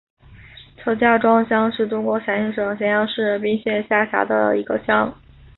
车家庄乡是中国陕西省咸阳市彬县下辖的一个乡。